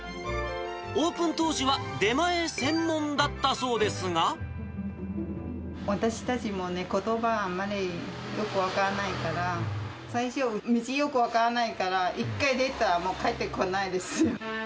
オープン当時は出前専門だったそ私たちもね、ことば、あまりよく分からないから、最初、道よく分からないから、一回出たら、もう帰ってこないです。